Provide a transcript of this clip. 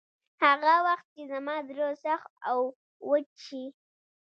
هغه وخت چې زما زړه سخت او وچ شي.